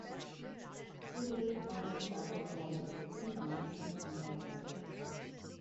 He was survived by his wife, two sons and one daughter.